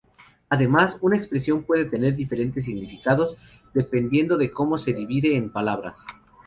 Además, una expresión puede tener diferentes significados dependiendo de cómo se divide en palabras.